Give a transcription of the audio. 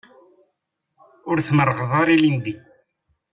Ur tmerrɣeḍ ara ilindi.